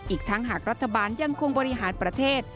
อีกทั้งหากรัฐบาลยังคงบริหารประเทศ